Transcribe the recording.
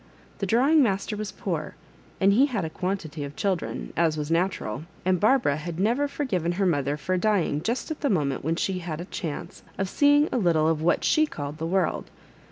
The £rawing master was poor, and he had a quantity of children, as was natural, and Bar bara had never forgiven her mother for dying Just at the moment when she had a chance of seeing a little of what she called the world.